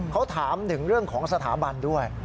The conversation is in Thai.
เขาถามถึงเรื่องของสถาบันด้วย